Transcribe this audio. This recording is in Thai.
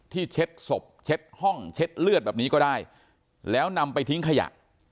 เช็ดศพเช็ดห้องเช็ดเลือดแบบนี้ก็ได้แล้วนำไปทิ้งขยะ